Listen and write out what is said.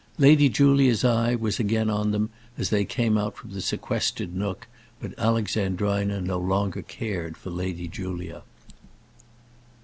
Lady Julia's eye was again on them as they came out from the sequestered nook, but Alexandrina no longer cared for Lady Julia.